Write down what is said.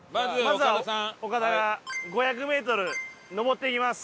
まずはオカダが５００メートル上っていきます。